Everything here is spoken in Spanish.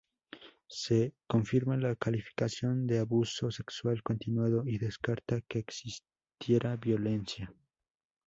Se confirma la calificación de abuso sexual continuado y descarta que existiera violencia.